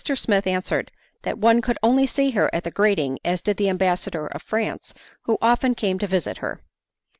Smith answered that one could only see her at the grating as did the ambassador of France, who often came to visit her.